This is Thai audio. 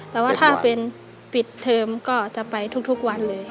แต่ว่าถ้าเป็นปิดเทอมก็จะไปทุกวันเลย